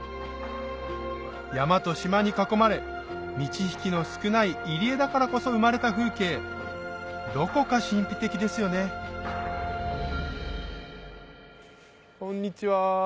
山と島に囲まれ満ち引きの少ない入り江だからこそ生まれた風景どこか神秘的ですよねこんにちは。